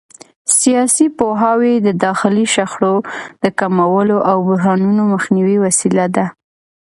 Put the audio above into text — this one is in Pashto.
سیاسي پوهاوی د داخلي شخړو د کمولو او بحرانونو مخنیوي وسیله ده